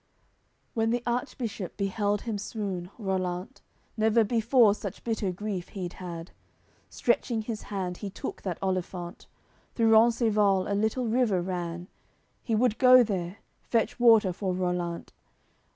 CLXV When the Archbishop beheld him swoon, Rollant, Never before such bitter grief he'd had; Stretching his hand, he took that olifant. Through Rencesvals a little river ran; He would go there, fetch water for Rollant.